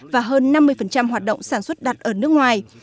và hơn năm mươi hoạt động sản xuất đặt ở nước ngoài